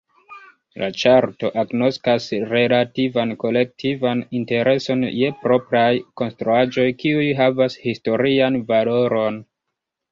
La ĉarto agnoskas relativan kolektivan intereson je propraj konstruaĵoj, kiuj havas historian valoron.